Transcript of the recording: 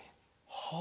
はあ。